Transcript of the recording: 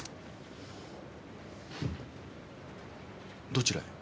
どちらへ？